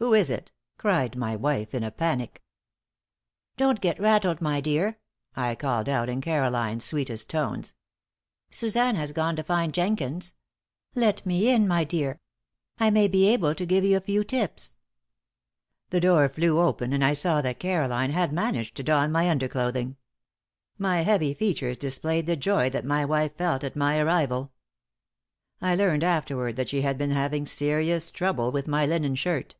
Who is it?" cried my wife, in a panic. "Don't get rattled, my dear," I called out, in Caroline's sweetest tones. "Suzanne has gone to find Jenkins. Let me in, my dear. I may be able to give you a few tips." The door flew open and I saw that Caroline had managed to don my underclothing. My heavy features displayed the joy that my wife felt at my arrival. I learned afterward that she had been having serious trouble with my linen shirt.